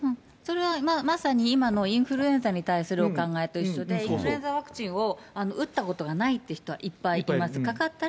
それはまさに今のインフルエンザに対するお考えと一緒で、インフルエンザワクチンを打ったことはないって人は、いっぱいいます。